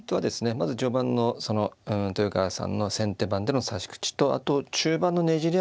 まず序盤の豊川さんの先手番での指し口とあと中盤のねじり合いね。